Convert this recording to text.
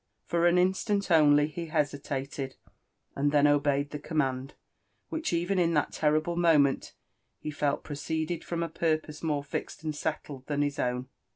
For an instant only he hesitated, and then obeyed the command, which even in that terrible moment he felt proceeded from a purpose more fixed and settled than his own.